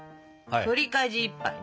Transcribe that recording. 取りかじいっぱいね。